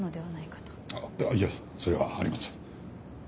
あっいやそれはありません。